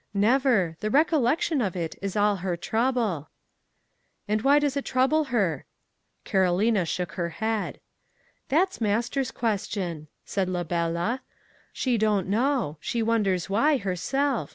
'Never. The recollection of it is all her trouble.' 'And why does it trouble her?' Carolina shook her head. 'That's master's question,' said la bella. 'She don't know. She wonders why, herself.